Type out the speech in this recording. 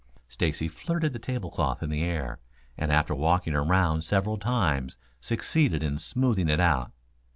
Stacy flirted the table cloth in the air, and after walking around several times, succeeded in smoothing it out.